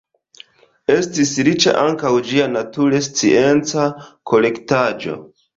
Estis riĉa ankaŭ ĝia naturscienca kolektaĵo.